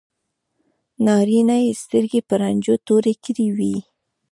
نارینه یې سترګې په رنجو تورې کړې وي.